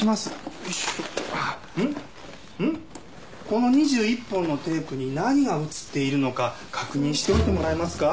この２１本のテープに何が映っているのか確認してみてもらえますか？